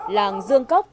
làng dương cốc